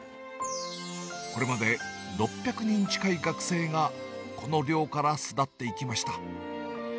これまで６００人近い学生が、この寮から巣立っていきました。